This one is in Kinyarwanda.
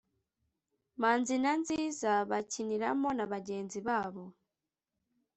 manzi na nziza bakiniramo na bagenzi babo.